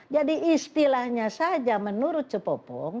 jadi istilahnya saja menurut cepopong